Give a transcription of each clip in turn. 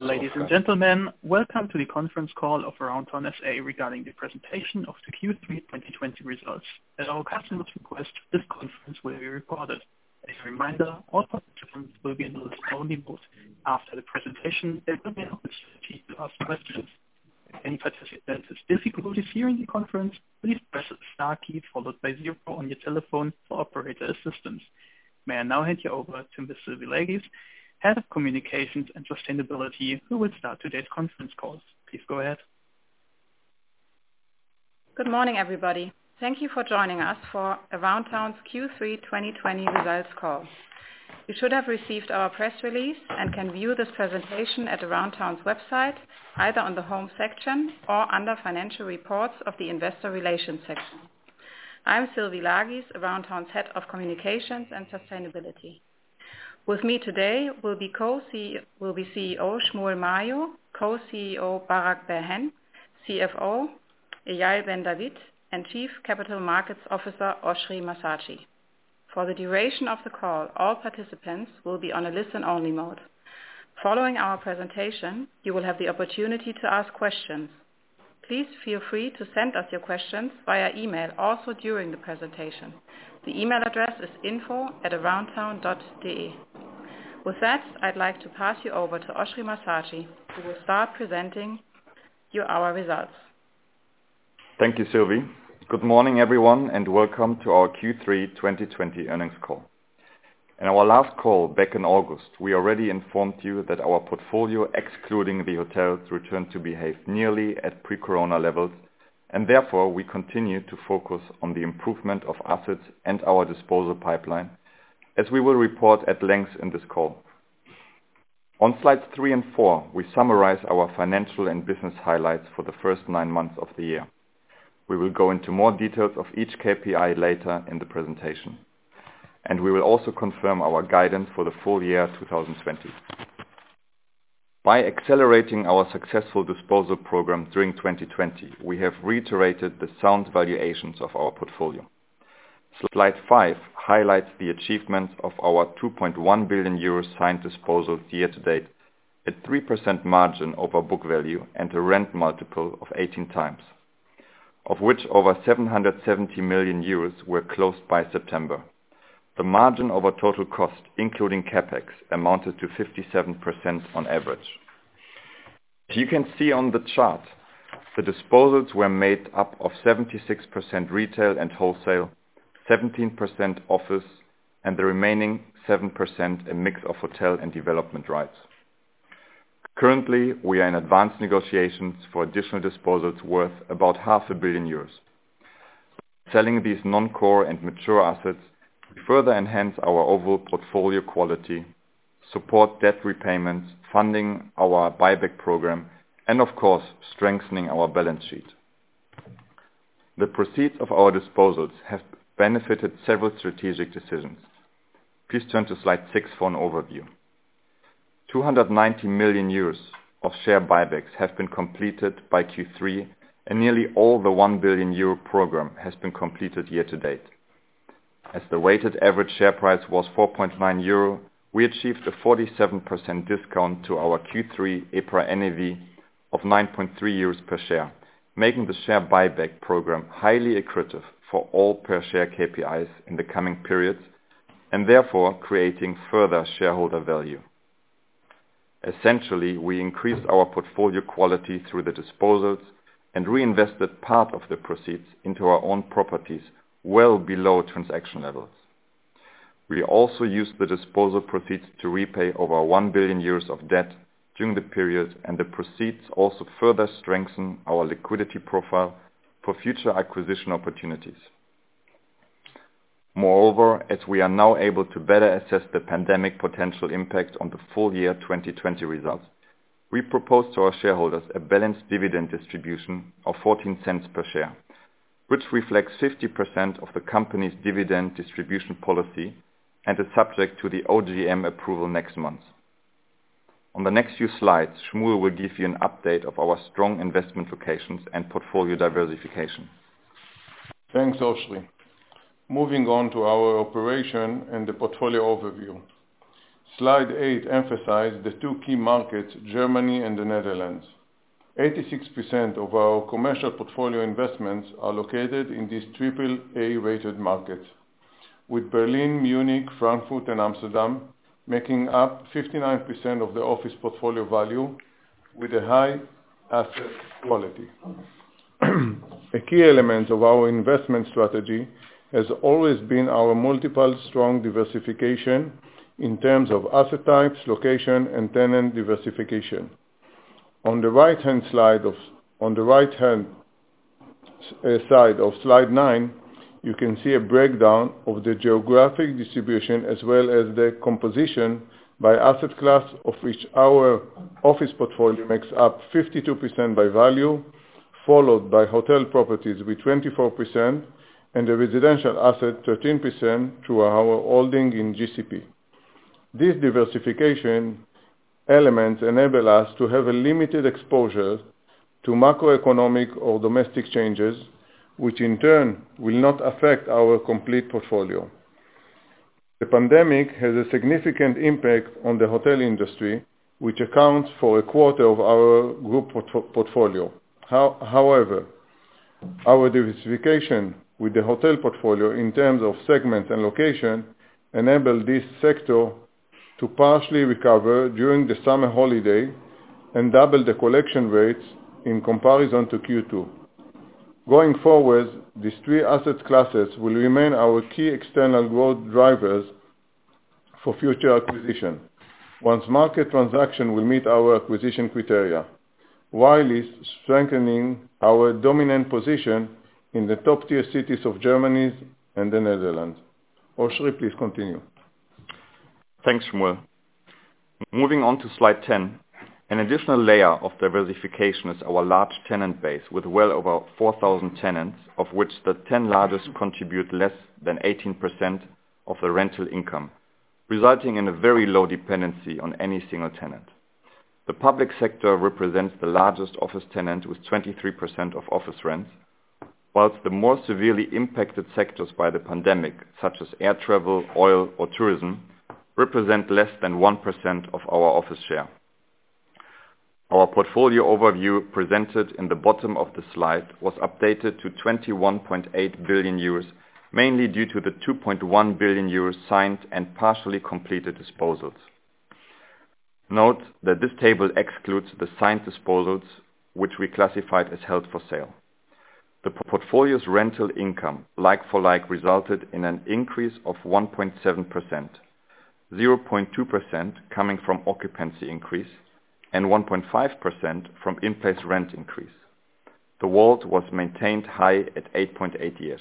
Ladies and gentlemen, welcome to the conference call of Aroundtown SA, regarding the presentation of the Q3 2020 results. At our customers' request, this conference will be recorded. As a reminder, all participants will be in listen only mode. After the presentation, there will be an opportunity to ask questions. If any participant experiences difficulties hearing the conference, please press the star key, followed by zero on your telephone for operator assistance. May I now hand you over to Ms. Sylvie Laghiss, head of Communications and Sustainability, who will start today's conference call. Please go ahead. Good morning, everybody. Thank you for joining us for Aroundtown's Q3 2020 results call. You should have received our press release and can view this presentation at Aroundtown's website, either on the home section or under Financial Reports of the Investor Relations section. I'm Sylvie Laghiss, Aroundtown's Head of Communications and Sustainability. With me today will be CEO, Shmuel Mayo, co-CEO, Barak Bar-Hen, CFO, Eyal Ben David, and Chief Capital Markets Officer, Oschrie Massatschi. For the duration of the call, all participants will be on a listen-only mode. Following our presentation, you will have the opportunity to ask questions. Please feel free to send us your questions via email, also during the presentation. The email address is info@aroundtown.de. With that, I'd like to pass you over to Oschrie Massatschi, who will start presenting you our results. Thank you, Sylvie. Good morning, everyone, and welcome to our Q3 2020 earnings call. In our last call back in August, we already informed you that our portfolio, excluding the hotels, returned to behave nearly at pre-corona levels, and therefore, we continue to focus on the improvement of assets and our disposal pipeline, as we will report at length in this call. On slides 3 and 4, we summarize our financial and business highlights for the first nine months of the year. We will go into more details of each KPI later in the presentation, and we will also confirm our guidance for the full year 2020. By accelerating our successful disposal program during 2020, we have reiterated the sound valuations of our portfolio. Slide five highlights the achievements of our 2.1 billion euro signed disposals year-to-date, a 3% margin over book value, and a rent multiple of 18x, of which over 770 million euros were closed by September. The margin over total cost, including CapEx, amounted to 57% on average. As you can see on the chart, the disposals were made up of 76% retail and wholesale, 17% office, and the remaining 7%, a mix of hotel and development rights. Currently, we are in advanced negotiations for additional disposals worth about 500 million euros. Selling these non-core and mature assets will further enhance our overall portfolio quality, support debt repayments, funding our buyback program, and of course, strengthening our balance sheet. The proceeds of our disposals have benefited several strategic decisions. Please turn to slide six for an overview. 290 million of share buybacks have been completed by Q3, and nearly all the 1 billion euro program has been completed year to date. As the weighted average share price was 4.9 euro, we achieved a 47% discount to our Q3 EPRA NAV of 9.3 euros per share, making the share buyback program highly accretive for all per-share KPIs in the coming periods, and therefore creating further shareholder value. Essentially, we increased our portfolio quality through the disposals and reinvested part of the proceeds into our own properties, well below transaction levels. We also used the disposal proceeds to repay over 1 billion euros of debt during the period, and the proceeds also further strengthen our liquidity profile for future acquisition opportunities. Moreover, as we are now able to better assess the pandemic potential impact on the full year 2020 results, we propose to our shareholders a balanced dividend distribution of 0.14 per share, which reflects 50% of the company's dividend distribution policy and is subject to the OGM approval next month. On the next few slides, Shmuel will give you an update of our strong investment locations and portfolio diversification. Thanks, Oschrie. Moving on to our operations and the portfolio overview. Slide 8 emphasizes the two key markets, Germany and the Netherlands. 86% of our commercial portfolio investments are located in these triple A-rated markets, with Berlin, Munich, Frankfurt, and Amsterdam making up 59% of the office portfolio value with a high asset quality. A key element of our investment strategy has always been our multiple strong diversification in terms of asset types, location, and tenant diversification. On the right-hand side of slide 9, you can see a breakdown of the geographic distribution as well as the composition by asset class, of which our office portfolio makes up 52% by value, followed by hotel properties with 24%, and the residential asset, 13%, through our holding in GCP. These diversification elements enable us to have a limited exposure to macroeconomic or domestic changes, which in turn will not affect our complete portfolio. The pandemic has a significant impact on the hotel industry, which accounts for a quarter of our group portfolio. However, our diversification with the hotel portfolio in terms of segment and location enabled this sector to partially recover during the summer holiday and double the collection rates in comparison to Q2. Going forward, these three asset classes will remain our key external growth drivers for future acquisition, once market transaction will meet our acquisition criteria, while it's strengthening our dominant position in the top-tier cities of Germany and the Netherlands. Oschrie, please continue. Thanks, Shmuel. Moving on to slide 10. An additional layer of diversification is our large tenant base, with well over 4,000 tenants, of which the 10 largest contribute less than 18% of the rental income, resulting in a very low dependency on any single tenant. The public sector represents the largest office tenant, with 23% of office rents. While the more severely impacted sectors by the pandemic, such as air travel, oil or tourism, represent less than 1% of our office share. Our portfolio overview, presented in the bottom of the slide, was updated to 21.8 billion euros, mainly due to the 2.1 billion euros signed and partially completed disposals. Note that this table excludes the signed disposals, which we classified as held for sale. The portfolio's rental income, like for like, resulted in an increase of 1.7%, 0.2% coming from occupancy increase, and 1.5% from in-place rent increase. The WALT was maintained high at 8.8 years.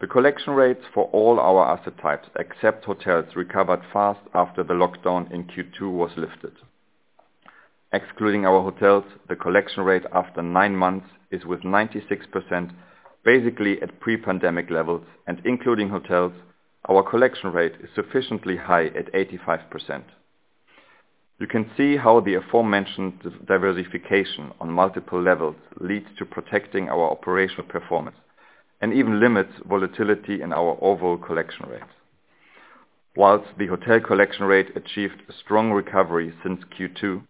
The collection rates for all our asset types, except hotels, recovered fast after the lockdown in Q2 was lifted. Excluding our hotels, the collection rate after nine months is with 96%, basically at pre-pandemic levels, and including hotels, our collection rate is sufficiently high at 85%. You can see how the aforementioned diversification on multiple levels leads to protecting our operational performance and even limits volatility in our overall collection rates. While the hotel collection rate achieved a strong recovery since Q2,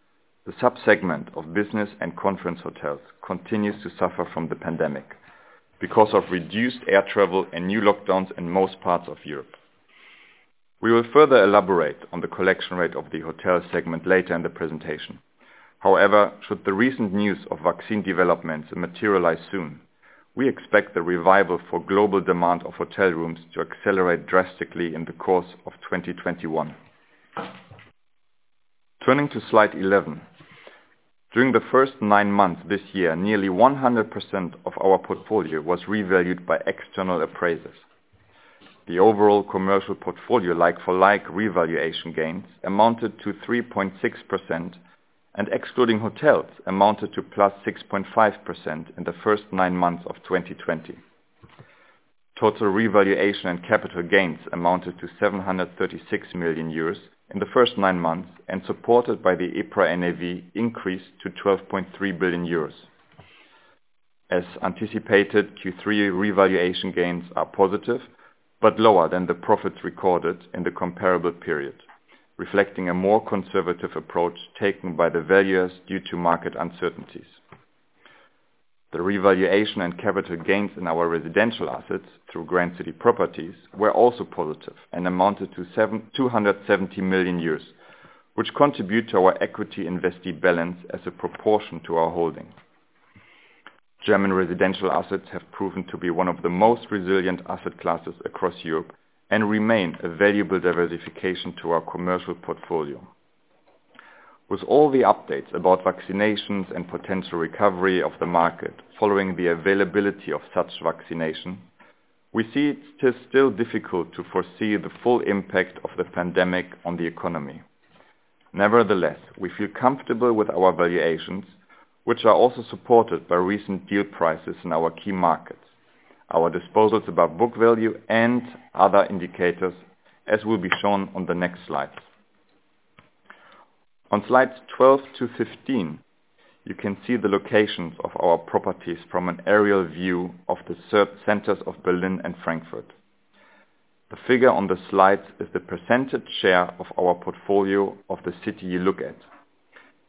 the sub-segment of business and conference hotels continues to suffer from the pandemic because of reduced air travel and new lockdowns in most parts of Europe. We will further elaborate on the collection rate of the hotel segment later in the presentation. However, should the recent news of vaccine developments materialize soon, we expect the revival for global demand of hotel rooms to accelerate drastically in the course of 2021. Turning to slide 11. During the first nine months this year, nearly 100% of our portfolio was revalued by external appraisers. The overall commercial portfolio, like for like, revaluation gains amounted to 3.6%, and excluding hotels, amounted to plus 6.5% in the first nine months of 2020. Total revaluation and capital gains amounted to 736 million euros in the first nine months, and supported by the EPRA NAV increase to 12.3 billion euros. As anticipated, Q3 revaluation gains are positive, but lower than the profits recorded in the comparable period, reflecting a more conservative approach taken by the valuers due to market uncertainties. The revaluation and capital gains in our residential assets through Grand City Properties were also positive and amounted to 270 million euros, which contribute to our equity investee balance as a proportion to our holdings. German residential assets have proven to be one of the most resilient asset classes across Europe and remain a valuable diversification to our commercial portfolio. With all the updates about vaccinations and potential recovery of the market following the availability of such vaccination, we see it's still difficult to foresee the full impact of the pandemic on the economy. Nevertheless, we feel comfortable with our valuations, which are also supported by recent deal prices in our key markets, our disposals above book value, and other indicators, as will be shown on the next slides. On slides 12 to 15, you can see the locations of our properties from an aerial view of the centers of Berlin and Frankfurt. The figure on the slides is the percentage share of our portfolio of the city you look at.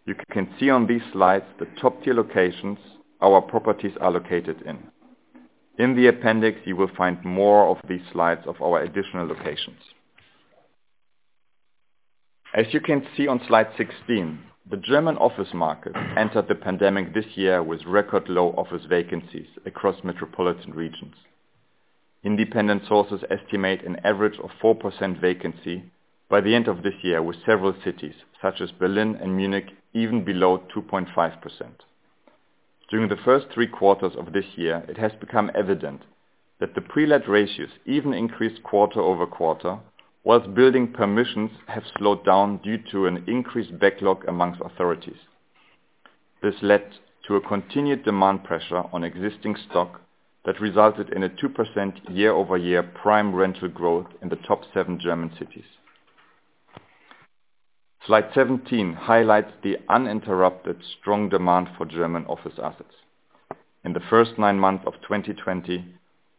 You can see on these slides the top-tier locations our properties are located in. In the appendix, you will find more of these slides of our additional locations. As you can see on slide 16, the German office market entered the pandemic this year with record low office vacancies across metropolitan regions. Independent sources estimate an average of 4% vacancy by the end of this year, with several cities, such as Berlin and Munich, even below 2.5%. During the first three quarters of this year, it has become evident that the pre-let ratios even increased quarter-over-quarter, whilst building permissions have slowed down due to an increased backlog amongst authorities. This led to a continued demand pressure on existing stock that resulted in a 2% year-over-year prime rental growth in the top seven German cities. Slide 17 highlights the uninterrupted strong demand for German office assets. In the first nine months of 2020,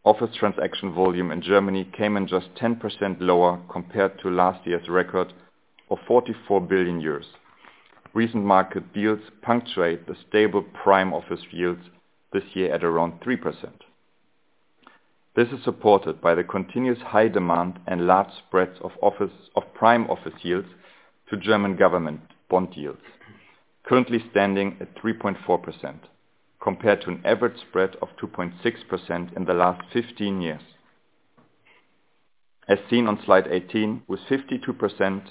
office transaction volume in Germany came in just 10% lower compared to last year's record of 44 billion euros. Recent market deals punctuate the stable prime office yields this year at around 3%. This is supported by the continuous high demand and large spreads of office, of prime office yields to German government bond yields, currently standing at 3.4%, compared to an average spread of 2.6% in the last 15 years. As seen on slide 18, with 52%,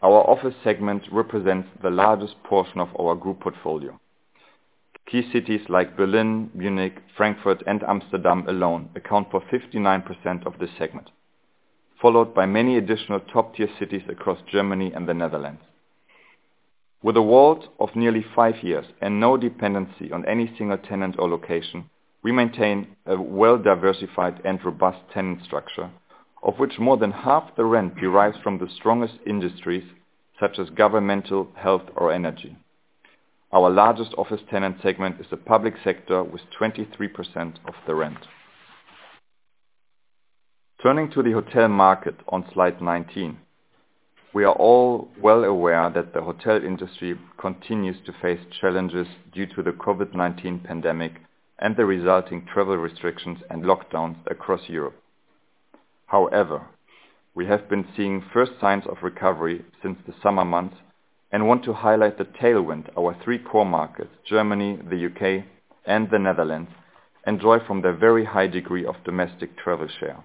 our office segment represents the largest portion of our group portfolio. Key cities like Berlin, Munich, Frankfurt, and Amsterdam alone account for 59% of this segment, followed by many additional top-tier cities across Germany and the Netherlands. With a WALT of nearly 5 years and no dependency on any single tenant or location, we maintain a well-diversified and robust tenant structure, of which more than half the rent derives from the strongest industries, such as governmental, health, or energy. Our largest office tenant segment is the public sector, with 23% of the rent. Turning to the hotel market on slide 19, we are all well aware that the hotel industry continues to face challenges due to the COVID-19 pandemic and the resulting travel restrictions and lockdowns across Europe. However, we have been seeing first signs of recovery since the summer months and want to highlight the tailwind our 3 core markets, Germany, the UK, and the Netherlands, enjoy from their very high degree of domestic travel share.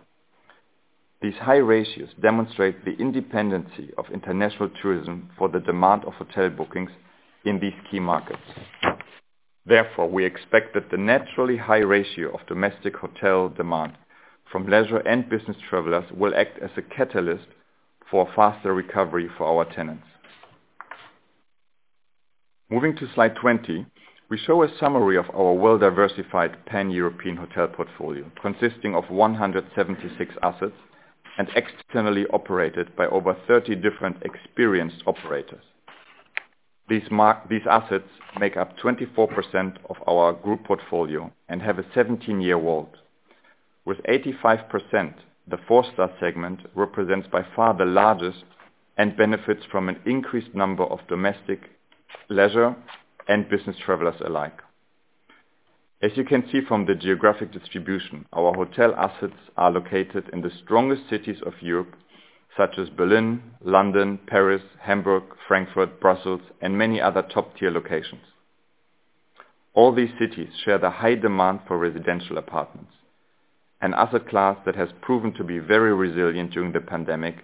These high ratios demonstrate the independency of international tourism for the demand of hotel bookings in these key markets. Therefore, we expect that the naturally high ratio of domestic hotel demand from leisure and business travelers will act as a catalyst for faster recovery for our tenants. Moving to slide 20, we show a summary of our well-diversified pan-European hotel portfolio, consisting of 176 assets, and externally operated by over 30 different experienced operators. These assets make up 24% of our group portfolio and have a 17-year WALT. With 85%, the four-star segment represents by far the largest and benefits from an increased number of domestic, leisure, and business travelers alike. As you can see from the geographic distribution, our hotel assets are located in the strongest cities of Europe, such as Berlin, London, Paris, Hamburg, Frankfurt, Brussels, and many other top-tier locations. All these cities share the high demand for residential apartments, an asset class that has proven to be very resilient during the pandemic,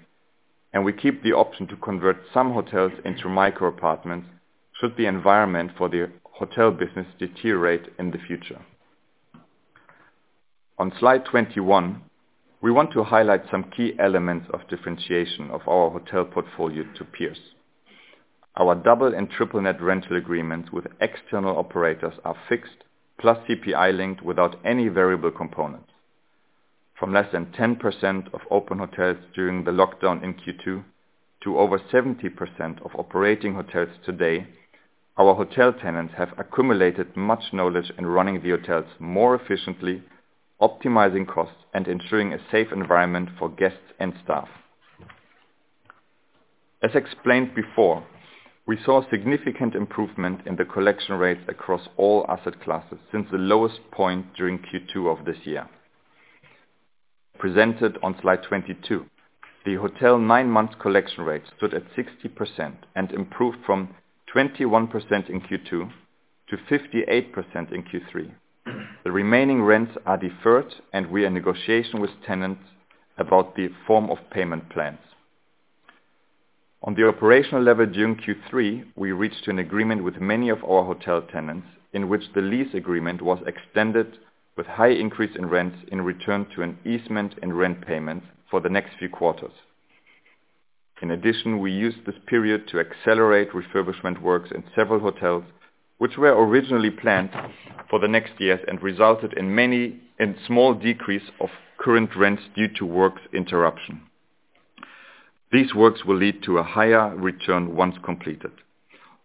and we keep the option to convert some hotels into micro apartments, should the environment for the hotel business deteriorate in the future. On slide 21, we want to highlight some key elements of differentiation of our hotel portfolio to peers. Our double and triple net rental agreements with external operators are fixed, plus CPI-linked without any variable components. From less than 10% of open hotels during the lockdown in Q2, to over 70% of operating hotels today, our hotel tenants have accumulated much knowledge in running the hotels more efficiently, optimizing costs, and ensuring a safe environment for guests and staff. As explained before, we saw significant improvement in the collection rates across all asset classes since the lowest point during Q2 of this year. Presented on slide 22, the hotel nine months collection rate stood at 60% and improved from 21% in Q2 to 58% in Q3. The remaining rents are deferred, and we are in negotiation with tenants about the form of payment plans. On the operational level during Q3, we reached an agreement with many of our hotel tenants, in which the lease agreement was extended with high increase in rents in return to an easement in rent payments for the next few quarters. In addition, we used this period to accelerate refurbishment works in several hotels, which were originally planned for the next years and resulted in many, in small decrease of current rents due to work interruption. These works will lead to a higher return once completed.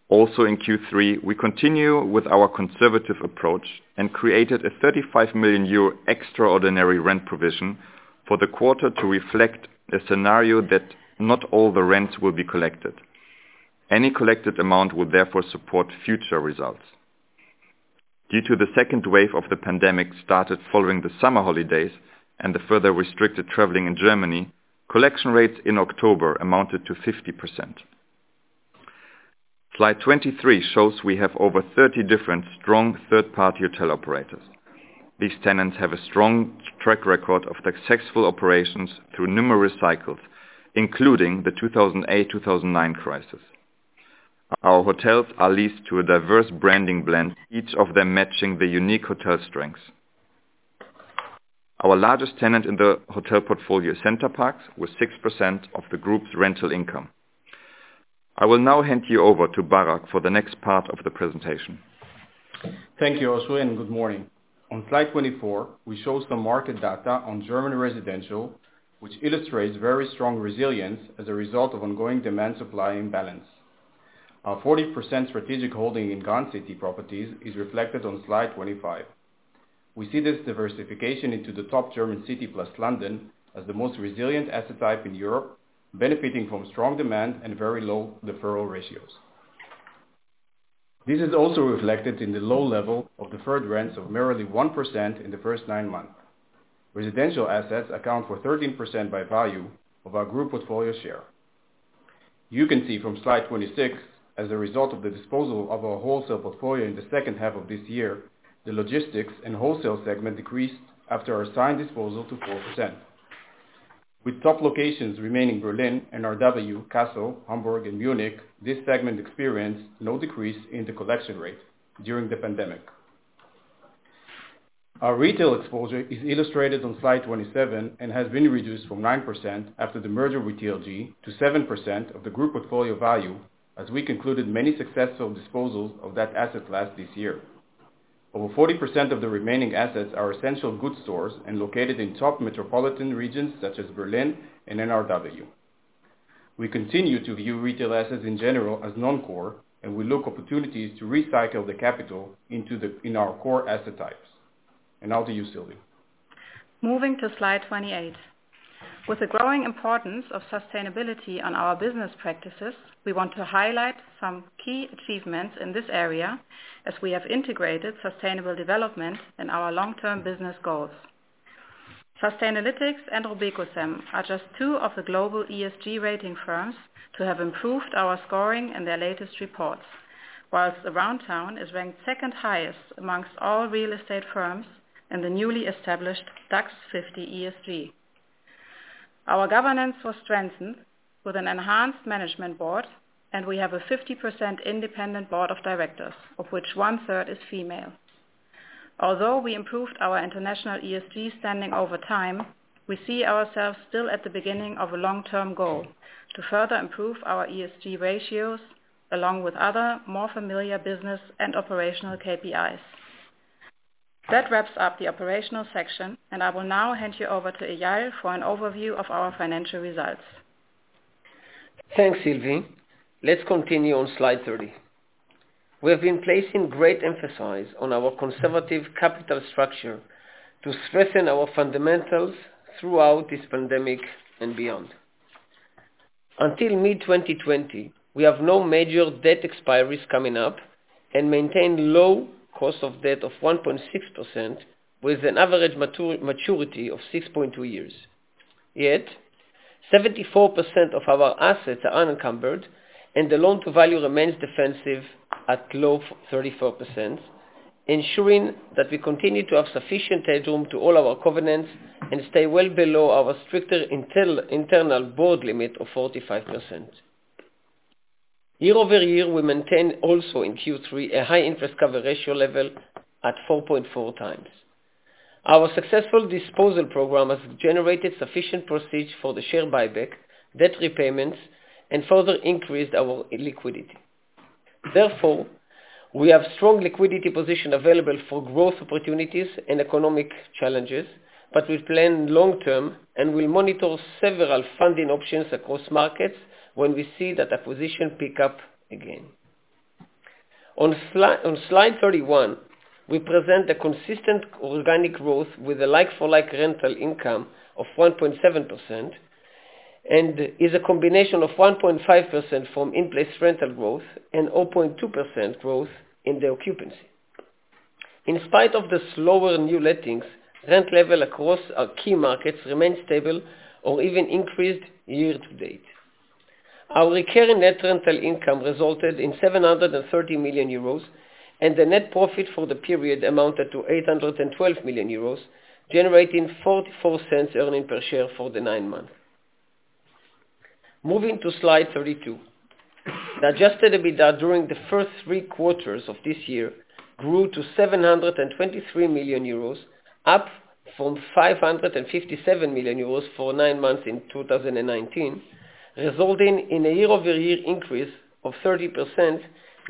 Also, in Q3, we continue with our conservative approach and created a 35 million euro extraordinary rent provision for the quarter to reflect a scenario that not all the rents will be collected. Any collected amount will therefore support future results. Due to the second wave of the pandemic, started following the summer holidays and the further restricted traveling in Germany, collection rates in October amounted to 50%. Slide 23 shows we have over 30 different strong third-party hotel operators. These tenants have a strong track record of successful operations through numerous cycles, including the 2008, 2009 crisis. Our hotels are leased to a diverse branding blend, each of them matching the unique hotel strengths. Our largest tenant in the hotel portfolio is Center Parcs, with 6% of the group's rental income. I will now hand you over to Barak for the next part of the presentation.... Thank you, Oschrie, and good morning. On slide 24, we show some market data on German residential, which illustrates very strong resilience as a result of ongoing demand-supply imbalance. Our 40% strategic holding in Grand City Properties is reflected on slide 25. We see this diversification into the top German city, plus London, as the most resilient asset type in Europe, benefiting from strong demand and very low deferral ratios. This is also reflected in the low level of deferred rents of merely 1% in the first nine months. Residential assets account for 13% by value of our group portfolio share. You can see from slide 26, as a result of the disposal of our wholesale portfolio in the second half of this year, the logistics and wholesale segment decreased after our assigned disposal to 4%. With top locations remaining Berlin, NRW, Kassel, Hamburg, and Munich, this segment experienced no decrease in the collection rate during the pandemic. Our retail exposure is illustrated on slide 27, and has been reduced from 9% after the merger with TLG to 7% of the group portfolio value, as we concluded many successful disposals of that asset class this year. Over 40% of the remaining assets are essential goods stores and located in top metropolitan regions such as Berlin and NRW. We continue to view retail assets in general as non-core, and we look for opportunities to recycle the capital into our core asset types. Now to you, Sylvie. Moving to slide 28. With the growing importance of sustainability on our business practices, we want to highlight some key achievements in this area, as we have integrated sustainable development in our long-term business goals. Sustainalytics and RobecoSAM are just two of the global ESG rating firms to have improved our scoring in their latest reports, while Aroundtown is ranked second highest amongst all real estate firms in the newly established DAX 50 ESG. Our governance was strengthened with an enhanced management board, and we have a 50% independent board of directors, of which one-third is female. Although we improved our international ESG standing over time, we see ourselves still at the beginning of a long-term goal to further improve our ESG ratios, along with other more familiar business and operational KPIs. That wraps up the operational section, and I will now hand you over to Eyal for an overview of our financial results. Thanks, Sylvie. Let's continue on slide 30. We have been placing great emphasis on our conservative capital structure to strengthen our fundamentals throughout this pandemic and beyond. Until mid-2020, we have no major debt expiries coming up, and maintain low cost of debt of 1.6%, with an average maturity of 6.2 years. Yet, 74% of our assets are unencumbered, and the loan-to-value remains defensive at low 34%, ensuring that we continue to have sufficient headroom to all our covenants and stay well below our stricter internal board limit of 45%. Year-over-year, we maintain also in Q3, a high interest cover ratio level at 4.4 times. Our successful disposal program has generated sufficient proceeds for the share buyback, debt repayments, and further increased our liquidity. Therefore, we have strong liquidity position available for growth opportunities and economic challenges, but we plan long-term, and we monitor several funding options across markets when we see that acquisition pick up again. On slide 31, we present the consistent organic growth with a like-for-like rental income of 1.7%, and is a combination of 1.5% from in-place rental growth and 0.2% growth in the occupancy. In spite of the slower new lettings, rent level across our key markets remains stable or even increased year to date. Our recurring net rental income resulted in 730 million euros, and the net profit for the period amounted to 812 million euros, generating 0.44 earnings per share for the nine months. Moving to slide 32. The adjusted EBITDA during the first three quarters of this year grew to 723 million euros, up from 557 million euros for nine months in 2019, resulting in a year-over-year increase of 30%,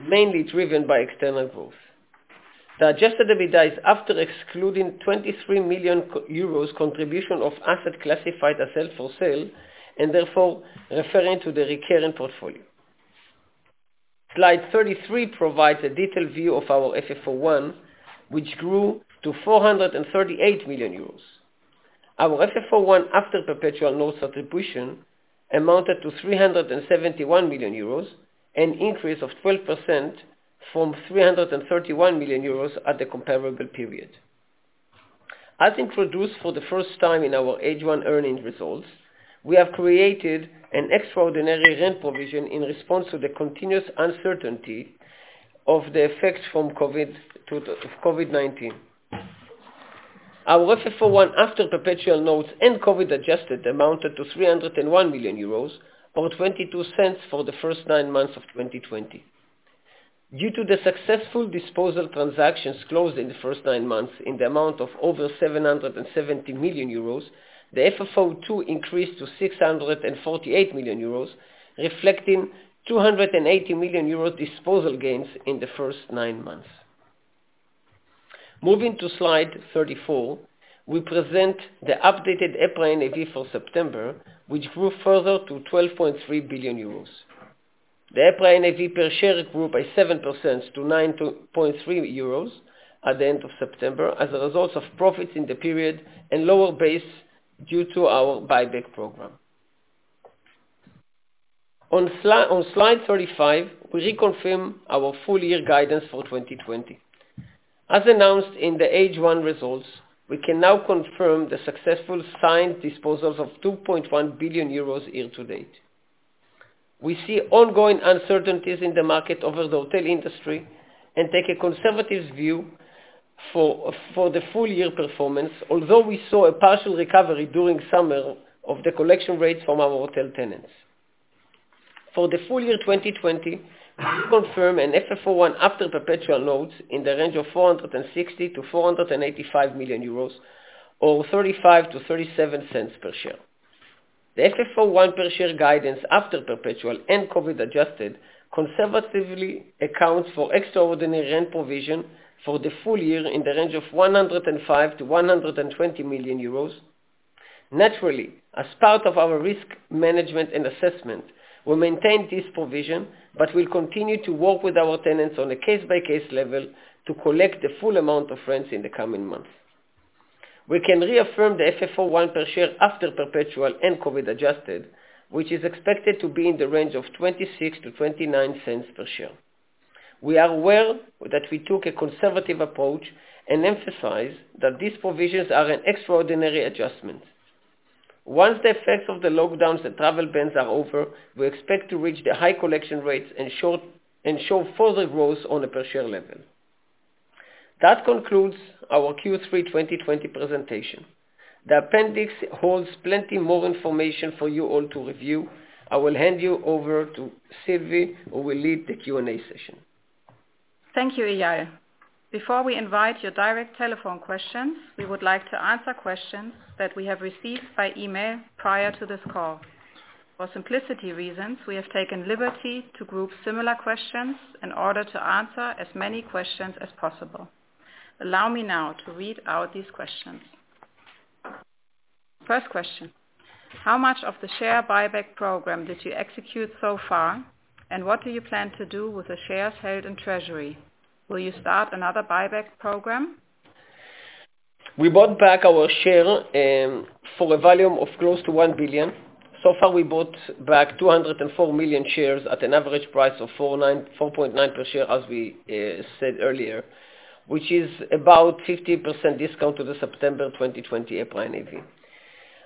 mainly driven by external growth. The adjusted EBITDA is after excluding 23 million euros contribution of asset classified as held for sale, and therefore referring to the recurring portfolio. Slide 33 provides a detailed view of our FFO I, which grew to 438 million euros. Our FFO I after perpetual notes attribution, amounted to 371 million euros, an increase of 12% from 331 million euros at the comparable period. As introduced for the first time in our H1 earnings results, we have created an extraordinary rent provision in response to the continuous uncertainty of the effects of COVID-19. Our FFO I after perpetual notes and COVID-adjusted amounted to 301 million euros, or 0.22 for the first nine months of 2020. Due to the successful disposal transactions closed in the first nine months, in the amount of over 770 million euros, the FFO II increased to 648 million euros, reflecting 280 million euros disposal gains in the first nine months. Moving to slide 34, we present the updated EPRA NAV for September, which grew further to 12.3 billion euros. The EPRA NAV per share grew by 7% to 9.3 euros at the end of September, as a result of profits in the period and lower base due to our buyback program. On slide 35, we reconfirm our full year guidance for 2020. As announced in the H1 results, we can now confirm the successful signed disposals of 2.1 billion euros year-to-date. We see ongoing uncertainties in the market over the hotel industry, and take a conservative view for the full year performance, although we saw a partial recovery during summer of the collection rates from our hotel tenants. For the full year 2020, we confirm an FFO1 after perpetual loans in the range of 460 million-485 million euros, or 0.35-0.37 per share. The FFO I per share guidance after perpetual and COVID adjusted, conservatively accounts for extraordinary rent provision for the full year in the range of 105 million-120 million euros. Naturally, as part of our risk management and assessment, we maintain this provision, but we'll continue to work with our tenants on a case-by-case level, to collect the full amount of rents in the coming months. We can reaffirm the FFO I per share after perpetual and COVID adjusted, which is expected to be in the range of 0.26-0.29 per share. We are aware that we took a conservative approach, and emphasize that these provisions are an extraordinary adjustment. Once the effects of the lockdowns and travel bans are over, we expect to reach the high collection rates and short- and show further growth on a per share level. That concludes our Q3 2020 presentation. The appendix holds plenty more information for you all to review. I will hand you over to Sylvie, who will lead the Q&A session. Thank you, Eyal. Before we invite your direct telephone questions, we would like to answer questions that we have received by email prior to this call. For simplicity reasons, we have taken liberty to group similar questions in order to answer as many questions as possible. Allow me now to read out these questions. First question: How much of the share buyback program did you execute so far, and what do you plan to do with the shares held in treasury? Will you start another buyback program? We bought back our share for a volume of close to 1 billion. So far, we bought back 204 million shares at an average price of 49.4 per share, as we said earlier, which is about 50% discount to the September 2020 EPRA NAV.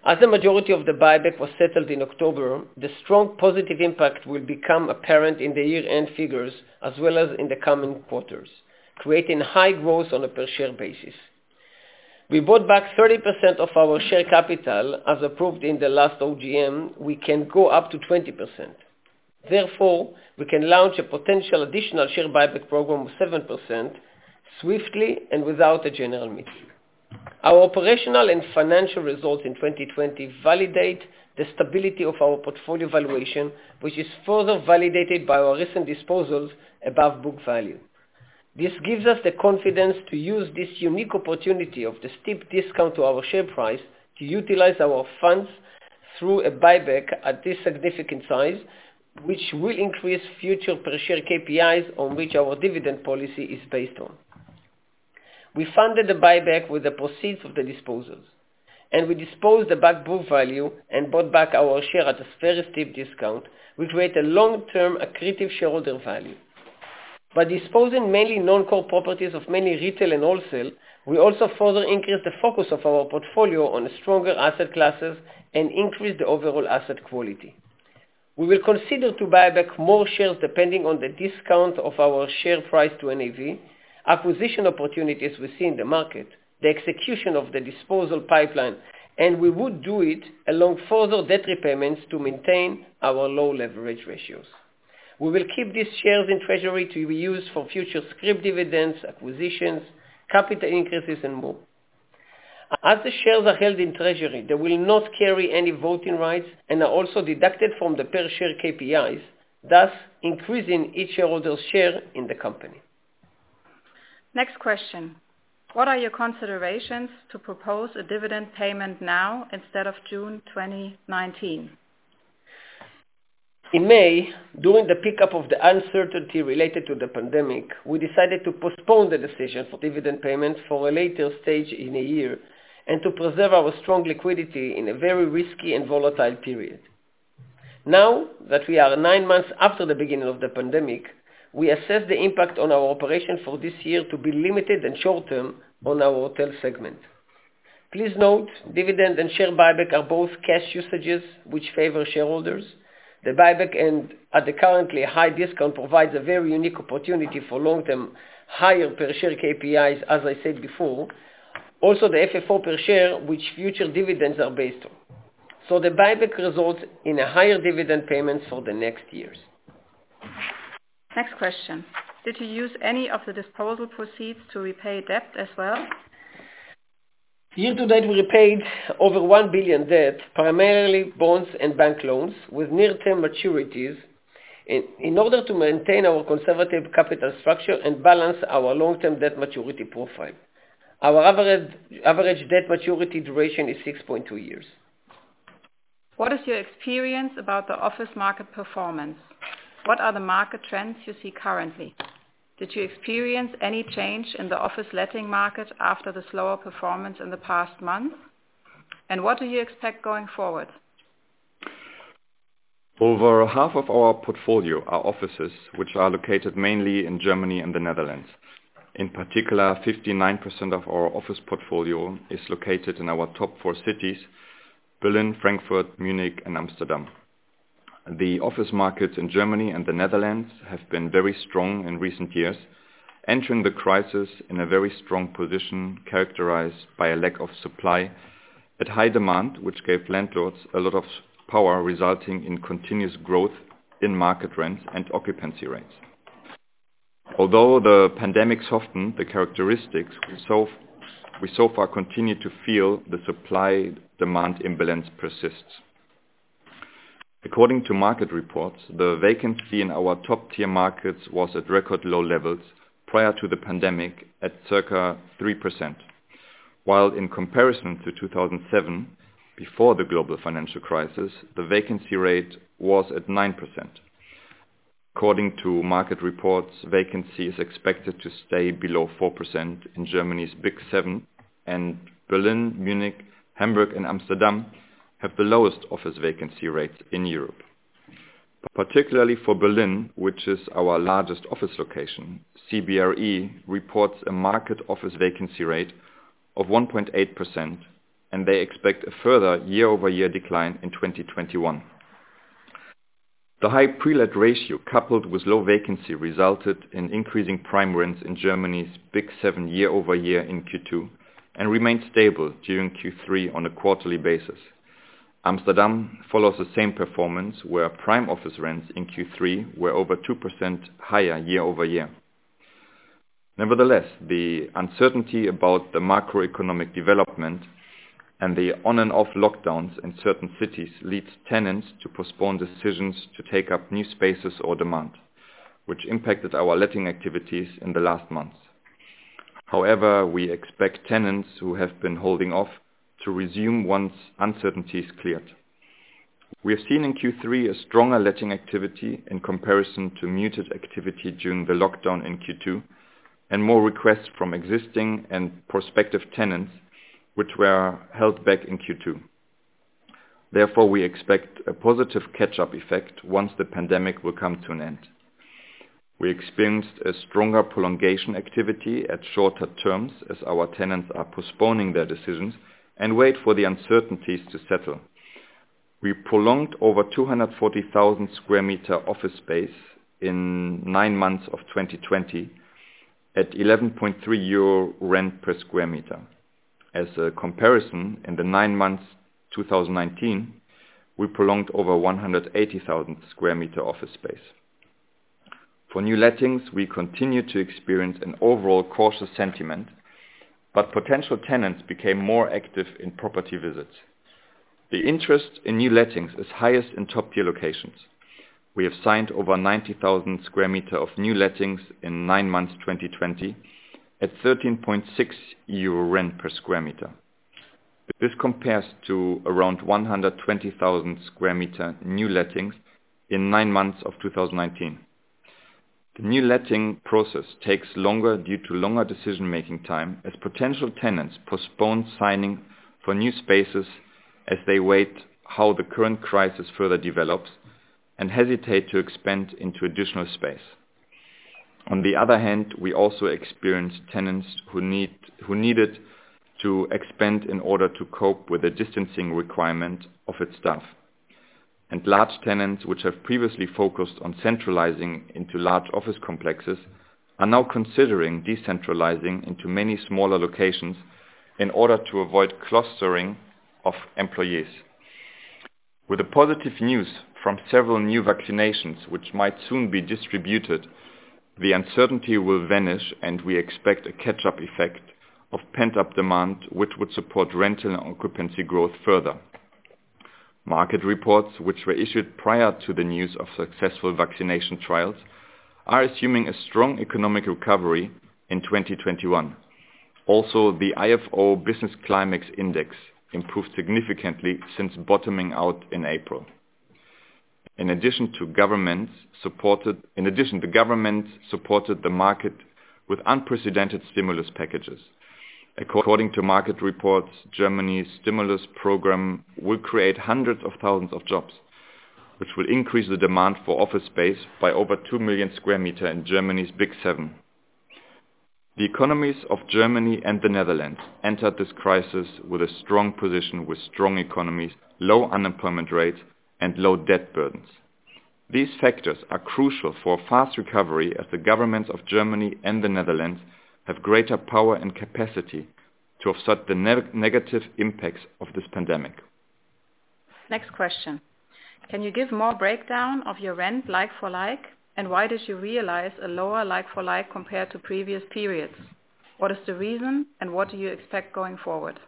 As the majority of the buyback was settled in October, the strong positive impact will become apparent in the year-end figures, as well as in the coming quarters, creating high growth on a per share basis. We bought back 30% of our share capital, as approved in the last OGM. We can go up to 20%. Therefore, we can launch a potential additional share buyback program of 7% swiftly, and without a general meeting. Our operational and financial results in 2020 validate the stability of our portfolio valuation, which is further validated by our recent disposals above book value. This gives us the confidence to use this unique opportunity of the steep discount to our share price, to utilize our funds through a buyback at this significant size, which will increase future per share KPIs, on which our dividend policy is based on. We funded the buyback with the proceeds of the disposals, and we disposed above book value and bought back our share at a very steep discount, which create a long-term accretive shareholder value. By disposing mainly non-core properties of mainly retail and wholesale, we also further increase the focus of our portfolio on stronger asset classes and increase the overall asset quality. We will consider to buy back more shares, depending on the discount of our share price to NAV, acquisition opportunities we see in the market, the execution of the disposal pipeline, and we would do it along further debt repayments to maintain our low leverage ratios. We will keep these shares in treasury to be used for future scrip dividends, acquisitions, capital increases, and more. As the shares are held in treasury, they will not carry any voting rights and are also deducted from the per share KPIs, thus increasing each shareholder's share in the company. Next question: What are your considerations to propose a dividend payment now, instead of June 2019? In May, during the pickup of the uncertainty related to the pandemic, we decided to postpone the decision for dividend payments for a later stage in the year, and to preserve our strong liquidity in a very risky and volatile period. Now that we are nine months after the beginning of the pandemic, we assess the impact on our operation for this year to be limited and short-term on our hotel segment. Please note, dividend and share buyback are both cash usages, which favor shareholders. The buyback, and at the currently high discount, provides a very unique opportunity for long-term, higher per share KPIs, as I said before. Also, the FFO per share, which future dividends are based on. So the buyback results in a higher dividend payments for the next years. Next question: Did you use any of the disposal proceeds to repay debt as well? Year to date, we repaid over 1 billion debt, primarily bonds and bank loans with near-term maturities, in order to maintain our conservative capital structure and balance our long-term debt maturity profile. Our average debt maturity duration is 6.2 years. What is your experience about the office market performance? What are the market trends you see currently? Did you experience any change in the office letting market after the slower performance in the past months? And what do you expect going forward? Over half of our portfolio are offices, which are located mainly in Germany and the Netherlands. In particular, 59% of our office portfolio is located in our top four cities: Berlin, Frankfurt, Munich and Amsterdam. The office markets in Germany and the Netherlands have been very strong in recent years, entering the crisis in a very strong position, characterized by a lack of supply, at high demand, which gave landlords a lot of scarcity power, resulting in continuous growth in market rents and occupancy rates. Although the pandemic softened the characteristics, we so far continue to feel the supply-demand imbalance persists. According to market reports, the vacancy in our top tier markets was at record low levels prior to the pandemic, at circa 3%, while in comparison to 2007, before the global financial crisis, the vacancy rate was at 9%. According to market reports, vacancy is expected to stay below 4% in Germany's Big Seven, and Berlin, Munich, Hamburg and Amsterdam have the lowest office vacancy rates in Europe. Particularly for Berlin, which is our largest office location, CBRE reports a market office vacancy rate of 1.8%, and they expect a further year-over-year decline in 2021. The high pre-let ratio, coupled with low vacancy, resulted in increasing prime rents in Germany's Big Seven year-over-year in Q2, and remained stable during Q3 on a quarterly basis. Amsterdam follows the same performance, where prime office rents in Q3 were over 2% higher year-over-year. Nevertheless, the uncertainty about the macroeconomic development and the on and off lockdowns in certain cities, leads tenants to postpone decisions to take up new spaces or demand, which impacted our letting activities in the last months. However, we expect tenants who have been holding off to resume once uncertainty is cleared. We have seen in Q3 a stronger letting activity in comparison to muted activity during the lockdown in Q2, and more requests from existing and prospective tenants, which were held back in Q2. Therefore, we expect a positive catch-up effect once the pandemic will come to an end. We experienced a stronger prolongation activity at shorter terms, as our tenants are postponing their decisions and wait for the uncertainties to settle. We prolonged over 240,000 square meter office space in nine months of 2020, at 11.3 euro rent per sqm. As a comparison, in the nine months 2019, we prolonged over 180,000 square meter office space. For new lettings, we continue to experience an overall cautious sentiment, but potential tenants became more active in property visits. The interest in new lettings is highest in top-tier locations. We have signed over 90,000 square meters of new lettings in nine months, 2020, at 13.6 euro rent per square meter. This compares to around 120,000 square meters new lettings in nine months of 2019. The new letting process takes longer due to longer decision-making time, as potential tenants postpone signing for new spaces as they wait how the current crisis further develops, and hesitate to expand into additional space. On the other hand, we also experience tenants who need, who needed to expand in order to cope with the distancing requirement of its staff. Large tenants, which have previously focused on centralizing into large office complexes, are now considering decentralizing into many smaller locations in order to avoid clustering of employees. With the positive news from several new vaccinations, which might soon be distributed, the uncertainty will vanish, and we expect a catch-up effect of pent-up demand, which would support rental and occupancy growth further. Market reports, which were issued prior to the news of successful vaccination trials, are assuming a strong economic recovery in 2021. Also, the ifo Business Climate Index improved significantly since bottoming out in April. In addition, the government supported the market with unprecedented stimulus packages. According to market reports, Germany's stimulus program will create hundreds of thousands of jobs, which will increase the demand for office space by over 2 million square meters in Germany's Big Seven. The economies of Germany and the Netherlands entered this crisis with a strong position, with strong economies, low unemployment rates, and low debt burdens. These factors are crucial for a fast recovery, as the governments of Germany and the Netherlands have greater power and capacity to offset the negative impacts of this pandemic. ...Next question. Can you give more breakdown of your rent like for like, and why did you realize a lower like for like, compared to previous periods? What is the reason, and what do you expect going forward?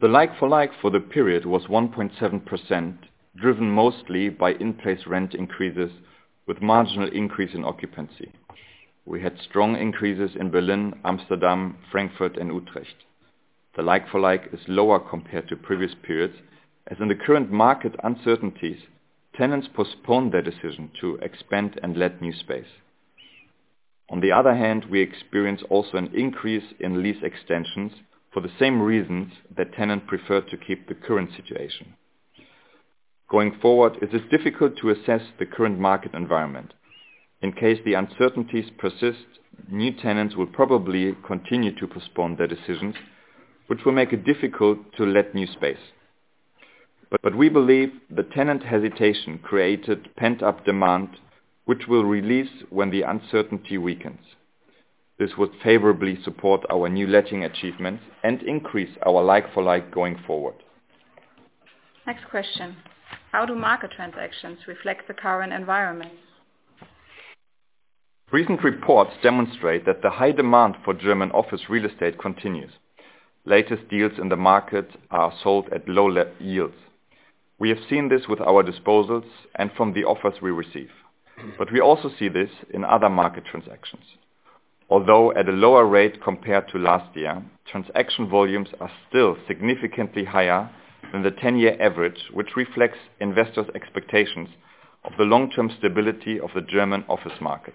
The like for like for the period was 1.7%, driven mostly by in-place rent increases, with marginal increase in occupancy. We had strong increases in Berlin, Amsterdam, Frankfurt, and Utrecht. The like for like is lower compared to previous periods, as in the current market uncertainties, tenants postpone their decision to expand and let new space. On the other hand, we experience also an increase in lease extensions for the same reasons that tenant preferred to keep the current situation. Going forward, it is difficult to assess the current market environment. In case the uncertainties persist, new tenants will probably continue to postpone their decisions, which will make it difficult to let new space. But we believe the tenant hesitation created pent-up demand, which will release when the uncertainty weakens. This would favorably support our new letting achievements and increase our like for like going forward. Next question: How do market transactions reflect the current environment? Recent reports demonstrate that the high demand for German office real estate continues. Latest deals in the market are sold at low yields. We have seen this with our disposals and from the offers we receive, but we also see this in other market transactions. Although at a lower rate compared to last year, transaction volumes are still significantly higher than the 10-year average, which reflects investors' expectations of the long-term stability of the German office market.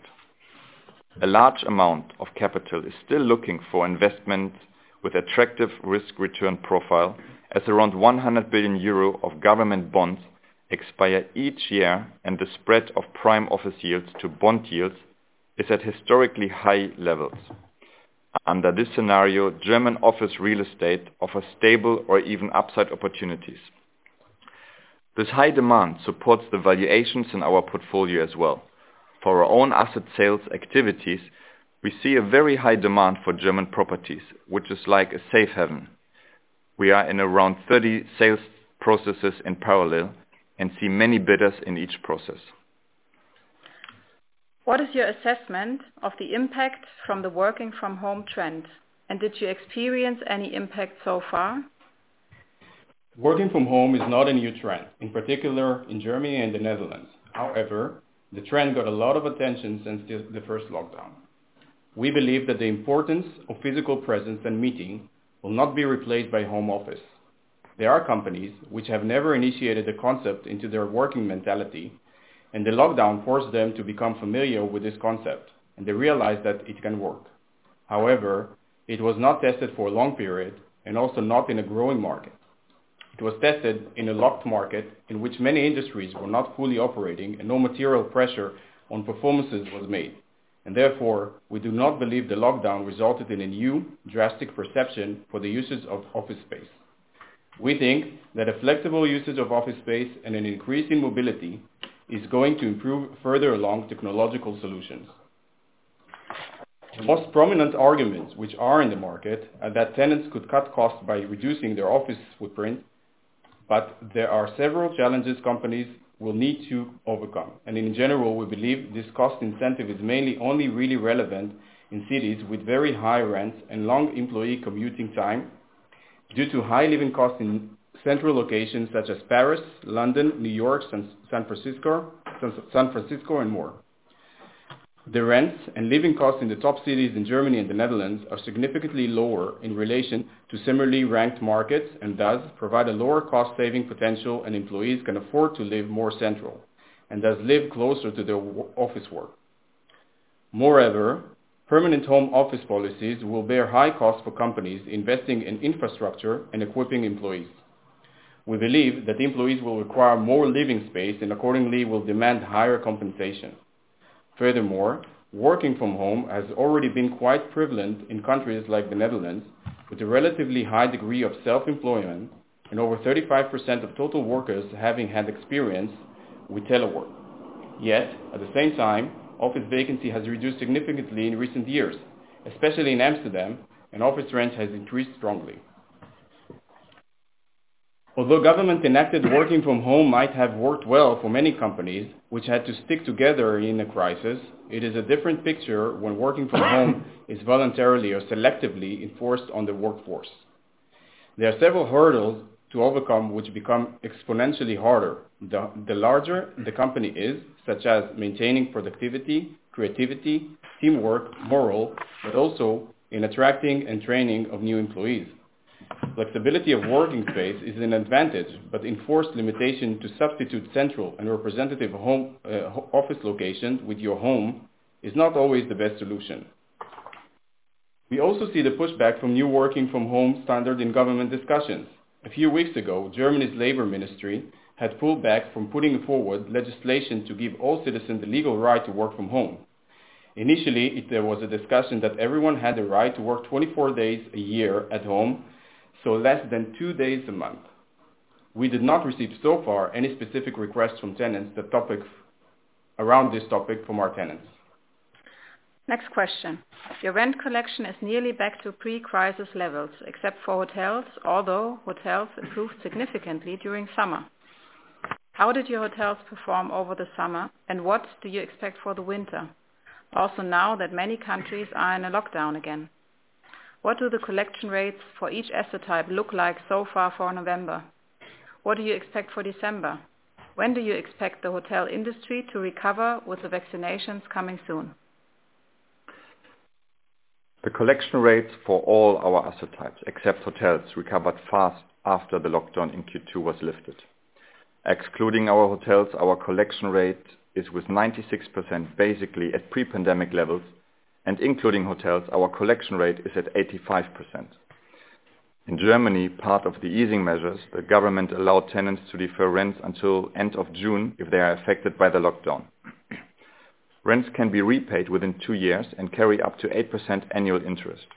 A large amount of capital is still looking for investment with attractive risk-return profile, as around 100 billion euro of government bonds expire each year, and the spread of prime office yields to bond yields is at historically high levels. Under this scenario, German office real estate offer stable or even upside opportunities. This high demand supports the valuations in our portfolio as well. For our own asset sales activities, we see a very high demand for German properties, which is like a safe haven. We are in around 30 sales processes in parallel and see many bidders in each process. What is your assessment of the impact from the working from home trend, and did you experience any impact so far? Working from home is not a new trend, in particular in Germany and the Netherlands. However, the trend got a lot of attention since the first lockdown. We believe that the importance of physical presence and meeting will not be replaced by home office. There are companies which have never initiated the concept into their working mentality, and the lockdown forced them to become familiar with this concept, and they realized that it can work. However, it was not tested for a long period and also not in a growing market. It was tested in a locked market in which many industries were not fully operating and no material pressure on performances was made. Therefore, we do not believe the lockdown resulted in a new drastic perception for the usage of office space. We think that a flexible usage of office space and an increase in mobility is going to improve further along technological solutions. The most prominent arguments which are in the market are that tenants could cut costs by reducing their office footprint, but there are several challenges companies will need to overcome. In general, we believe this cost incentive is mainly only really relevant in cities with very high rents and long employee commuting time due to high living costs in central locations such as Paris, London, New York, San Francisco, and more. The rents and living costs in the top cities in Germany and the Netherlands are significantly lower in relation to similarly ranked markets, and thus provide a lower cost-saving potential, and employees can afford to live more central, and thus live closer to their office work. Moreover, permanent home office policies will bear high cost for companies investing in infrastructure and equipping employees. We believe that employees will require more living space and accordingly will demand higher compensation. Furthermore, working from home has already been quite prevalent in countries like the Netherlands, with a relatively high degree of self-employment and over 35% of total workers having had experience with telework. Yet, at the same time, office vacancy has reduced significantly in recent years, especially in Amsterdam, and office rent has increased strongly. Although government-connected working from home might have worked well for many companies which had to stick together in a crisis, it is a different picture when working from home is voluntarily or selectively enforced on the workforce. There are several hurdles to overcome, which become exponentially harder, the larger the company is, such as maintaining productivity, creativity, teamwork, morale, but also in attracting and training of new employees. Flexibility of working space is an advantage, but enforced limitation to substitute central and representative home office location with your home is not always the best solution. We also see the pushback from new working from home standard in government discussions. A few weeks ago, Germany's Labor Ministry had pulled back from putting forward legislation to give all citizens the legal right to work from home. Initially, there was a discussion that everyone had the right to work 24 days a year at home, so less than two days a month. We did not receive, so far, any specific requests from tenants on the topics around this topic from our tenants.... Next question. Your rent collection is nearly back to pre-crisis levels, except for hotels, although hotels improved significantly during summer. How did your hotels perform over the summer, and what do you expect for the winter? Also, now that many countries are in a lockdown again, what do the collection rates for each asset type look like so far for November? What do you expect for December? When do you expect the hotel industry to recover with the vaccinations coming soon? The collection rates for all our asset types, except hotels, recovered fast after the lockdown in Q2 was lifted. Excluding our hotels, our collection rate is with 96%, basically at pre-pandemic levels, and including hotels, our collection rate is at 85%. In Germany, part of the easing measures, the government allowed tenants to defer rent until end of June if they are affected by the lockdown. Rents can be repaid within 2 years and carry up to 8% annual interest.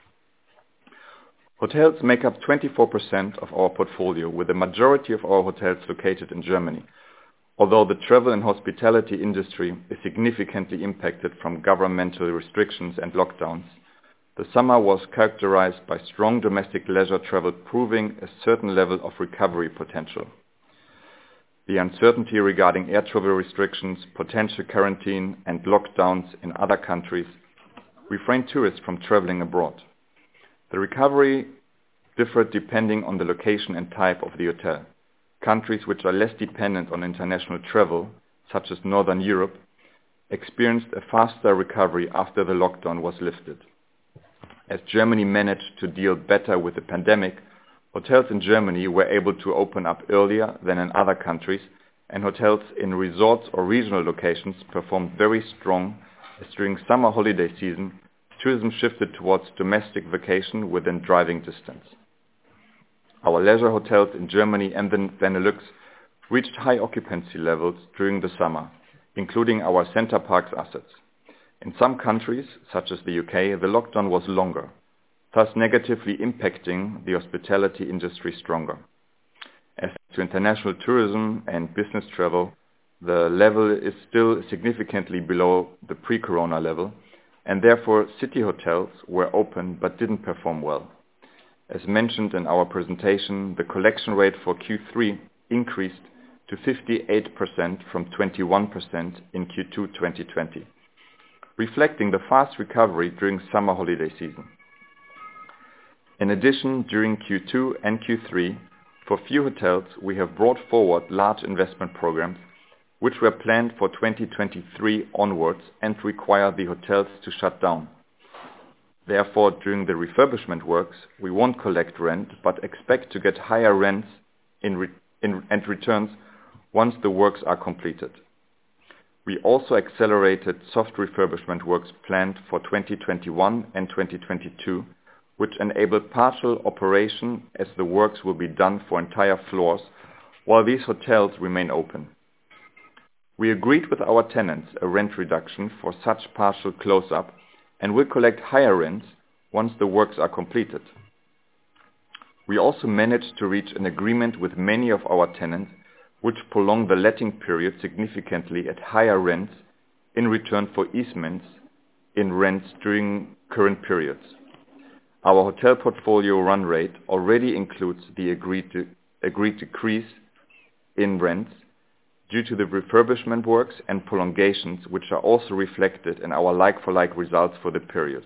Hotels make up 24% of our portfolio, with the majority of our hotels located in Germany. Although the travel and hospitality industry is significantly impacted from governmental restrictions and lockdowns, the summer was characterized by strong domestic leisure travel, proving a certain level of recovery potential. The uncertainty regarding air travel restrictions, potential quarantine, and lockdowns in other countries refrain tourists from traveling abroad. The recovery differed depending on the location and type of the hotel. Countries which are less dependent on international travel, such as Northern Europe, experienced a faster recovery after the lockdown was lifted. As Germany managed to deal better with the pandemic, hotels in Germany were able to open up earlier than in other countries, and hotels in resorts or regional locations performed very strong as during summer holiday season, tourism shifted towards domestic vacation within driving distance. Our leisure hotels in Germany and Benelux reached high occupancy levels during the summer, including our Center Parcs assets. In some countries, such as the UK, the lockdown was longer, thus negatively impacting the hospitality industry stronger. As to international tourism and business travel, the level is still significantly below the pre-corona level, and therefore, city hotels were open but didn't perform well. As mentioned in our presentation, the collection rate for Q3 increased to 58% from 21% in Q2, 2020, reflecting the fast recovery during summer holiday season. In addition, during Q2 and Q3, for few hotels, we have brought forward large investment programs, which were planned for 2023 onwards and require the hotels to shut down. Therefore, during the refurbishment works, we won't collect rent, but expect to get higher rents in return, and returns once the works are completed. We also accelerated soft refurbishment works planned for 2021 and 2022, which enabled partial operation as the works will be done for entire floors while these hotels remain open. We agreed with our tenants a rent reduction for such partial close up, and we collect higher rents once the works are completed. We also managed to reach an agreement with many of our tenants, which prolonged the letting period significantly at higher rents in return for easements in rents during current periods. Our hotel portfolio run rate already includes the agreed decrease in rents due to the refurbishment works and prolongations, which are also reflected in our like-for-like results for the period.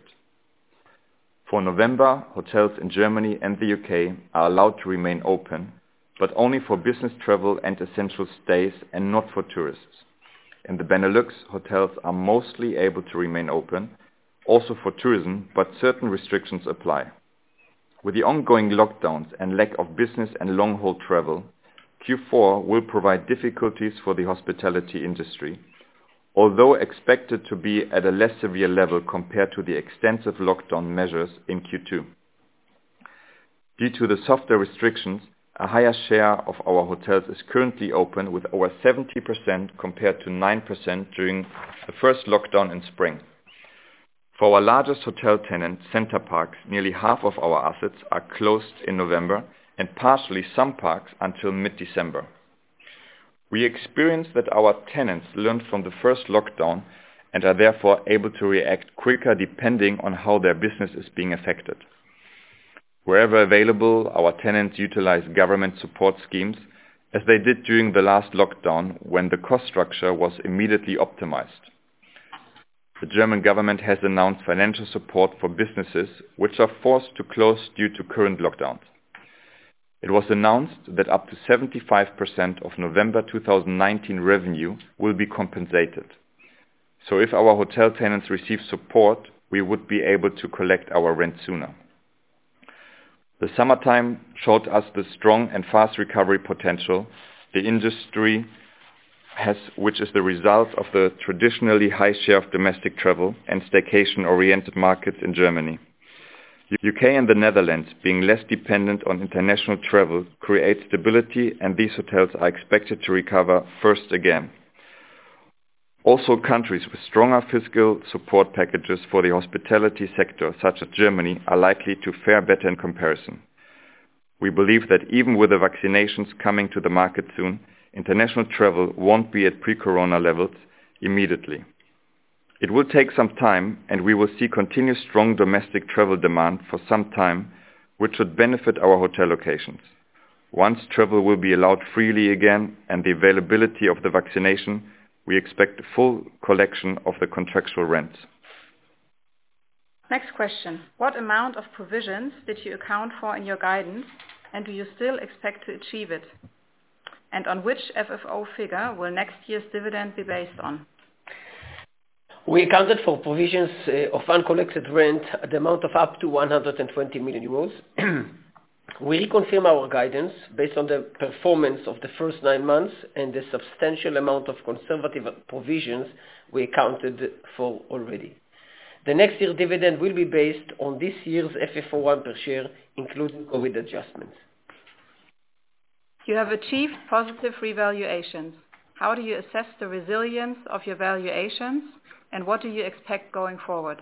For November, hotels in Germany and the U.K. are allowed to remain open, but only for business travel and essential stays and not for tourists. In the Benelux, hotels are mostly able to remain open, also for tourism, but certain restrictions apply. With the ongoing lockdowns and lack of business and long-haul travel, Q4 will provide difficulties for the hospitality industry, although expected to be at a less severe level compared to the extensive lockdown measures in Q2. Due to the softer restrictions, a higher share of our hotels is currently open, with over 70% compared to 9% during the first lockdown in spring. For our largest hotel tenant, Center Parcs, nearly half of our assets are closed in November and partially some parks until mid-December. We experienced that our tenants learned from the first lockdown and are therefore able to react quicker depending on how their business is being affected. Wherever available, our tenants utilize government support schemes as they did during the last lockdown, when the cost structure was immediately optimized. The German government has announced financial support for businesses which are forced to close due to current lockdowns. It was announced that up to 75% of November 2019 revenue will be compensated. So if our hotel tenants receive support, we would be able to collect our rent sooner. The summertime showed us the strong and fast recovery potential the industry has, which is the result of the traditionally high share of domestic travel and staycation-oriented market in Germany, U.K., and the Netherlands, being less dependent on international travel, create stability, and these hotels are expected to recover first again. Also, countries with stronger fiscal support packages for the hospitality sector, such as Germany, are likely to fare better in comparison... We believe that even with the vaccinations coming to the market soon, international travel won't be at pre-corona levels immediately. It will take some time, and we will see continued strong domestic travel demand for some time, which should benefit our hotel locations. Once travel will be allowed freely again and the availability of the vaccination, we expect a full collection of the contractual rents. Next question: What amount of provisions did you account for in your guidance, and do you still expect to achieve it? And on which FFO figure will next year's dividend be based on? We accounted for provisions of uncollected rent at the amount of up to 120 million euros. We reconfirm our guidance based on the performance of the first nine months and the substantial amount of conservative provisions we accounted for already. The next year dividend will be based on this year's FFO 1 per share, including COVID adjustments. You have achieved positive revaluations. How do you assess the resilience of your valuations, and what do you expect going forward?